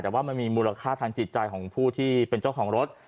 แต่ว่ามันมีมูลค่าทางจิตใจของผู้ที่เป็นเจ้าของรถ